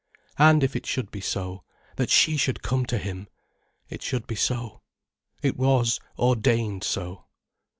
And if it should be so, that she should come to him! It should be so—it was ordained so.